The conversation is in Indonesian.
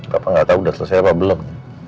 papa gak tau udah selesai apa belum